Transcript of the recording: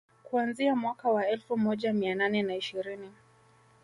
Kuanzia mwaka wa elfu moja mia nane na ishirini